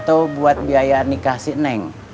atau buat biaya nikah sik neng